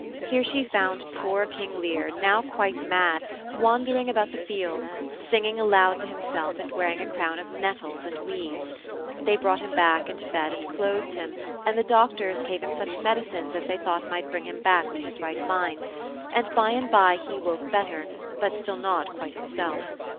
Here she found poor King Lear, now quite mad, wandering about the fields, sineing aloud to h'mself and wearing a crown of nettles and weeds. Thev brought him back and fed and clothed him, and the doctors gave him such 28 . THE CHILDREN'S SHAKESPEARE. medicines as they thought might bring him back to his right mind, and by and by he woke better, but still not quite himself.